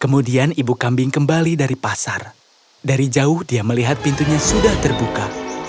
kemudian ibu kambing kembali dari pasar dari jauh dia melihat pintunya sudah terbuka